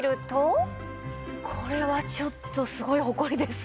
これはちょっとすごいホコリですね。